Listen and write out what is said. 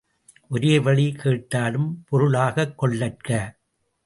ஒரோவழி கேட்டாலும் பொருளாகக் கொள்ளற்க.